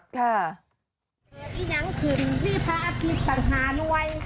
ที่นั้นคือที่พระอาทิตย์สรรหานวย